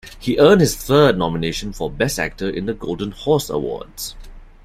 He earned his third nomination for Best Actor in the Golden Horse Awards.